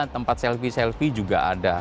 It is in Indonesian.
tempat selfie selfie juga ada